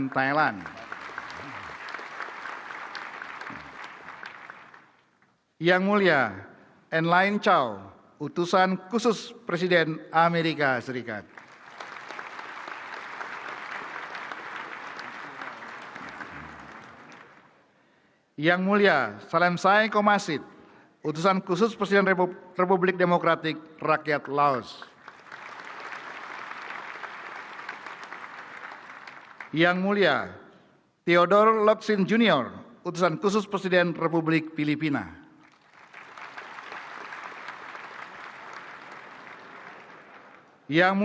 dan yang mulia nakayama horihiro utusan khusus kaisar jepang